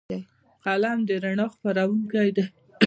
قلم د رڼا خپروونکی دی